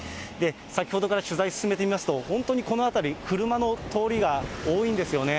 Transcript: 先ほどから取材進めてみますと、本当にこの辺り、車の通りが多いんですよね。